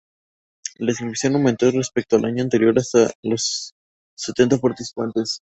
La inscripción aumentó respecto al año anterior hasta los setenta participantes.